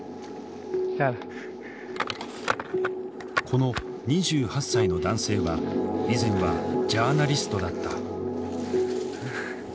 この２８歳の男性は以前はジャーナリストだった。